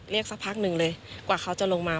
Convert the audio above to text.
สักพักหนึ่งเลยกว่าเขาจะลงมา